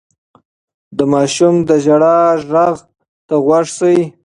د ماشوم د ژړا غږ ته غوږ شئ.